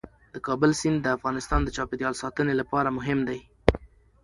د کابل سیند د افغانستان د چاپیریال ساتنې لپاره مهم دی.